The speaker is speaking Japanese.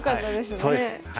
そうです。